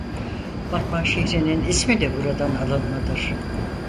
Batman Şehrinin ismi de buradan alınmadır.